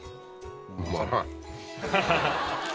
うまい。